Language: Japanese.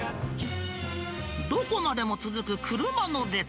どこまでも続く車の列。